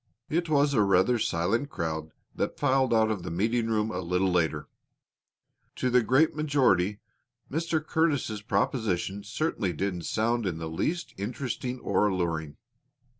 It was a rather silent crowd that filed out of the meeting room a little later. To the great majority Mr. Curtis's proposition certainly didn't sound in the least interesting or alluring.